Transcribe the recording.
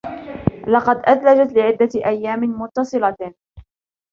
لقد اثلجت لعدة ايام متصلة.